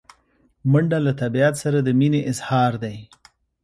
منډه له طبیعت سره د مینې اظهار دی